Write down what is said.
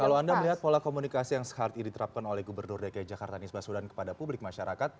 kalau anda melihat pola komunikasi yang saat ini diterapkan oleh gubernur dki jakarta nisbah sudan kepada publik masyarakat